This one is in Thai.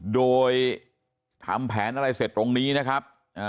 โดยทำแผนอะไรเสร็จตรงนี้นะครับ